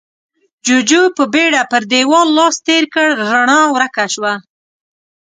جُوجُو په بيړه پر دېوال لاس تېر کړ، رڼا ورکه شوه.